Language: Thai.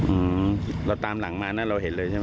อืมเราตามหลังมานะเราเห็นเลยใช่ไหม